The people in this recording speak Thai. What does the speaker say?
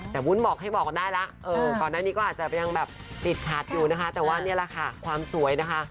แต่วุ้นบอกให้บอกได้แล้วก่อนหน้านี้ก็อาจจะยังแบบติดขัดอยู่นะคะแต่ว่านี่แหละค่ะความสวยนะคะ